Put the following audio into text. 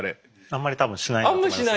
あんまり多分しないと思いますね。